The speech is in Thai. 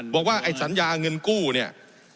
บอกว่าไอ้สัญญาเงินกู้เนี่ย